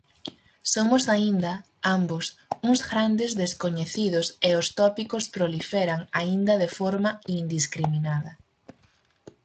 Somos aínda, ambos, uns grandes descoñecidos e os tópicos proliferan aínda de forma indiscriminada.